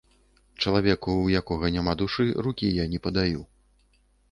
Чалавеку, у якога няма душы, рукі я не падаю.